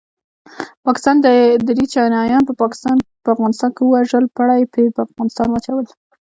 پاکستان دري چینایان په افغانستان کې ووژل پړه یې په افغانستان واچول